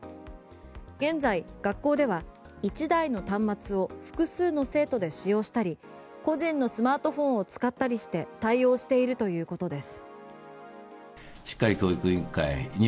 現在、学校では１台の端末を複数の生徒で使用したり個人のスマートフォンを使ったりして対応しているということです。